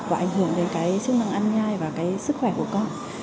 và ảnh hưởng đến cái chức năng ăn nhai và cái sức khỏe của con